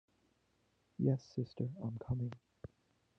Yes, sister, I'm coming!